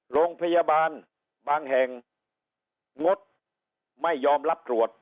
โรงพยาบาลบางแห่งงดไม่ยอมรับตรวจ